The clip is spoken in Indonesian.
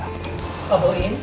pak bu im